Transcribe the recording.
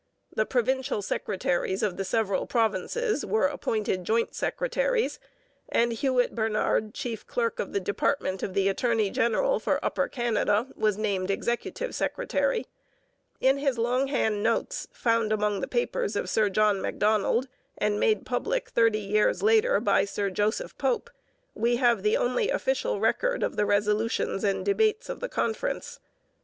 The provincial secretaries of the several provinces were appointed joint secretaries, and Hewitt Bernard, chief clerk of the department of the attorney general for Upper Canada, was named executive secretary. In his longhand notes, found among the papers of Sir John Macdonald, and made public thirty years later by Sir Joseph Pope, we have the only official record of the resolutions and debates of the conference.